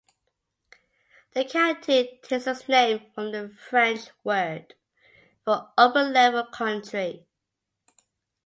The county takes its name from the French word for "open level country".